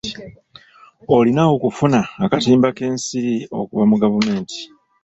Olina okufuna akatimba k'ensiri okuva mu gavumenti.